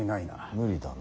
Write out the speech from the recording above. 無理だな。